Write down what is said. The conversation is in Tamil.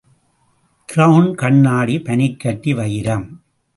கிரெளன் கண்ணாடி பனிக்கட்டி வைரம்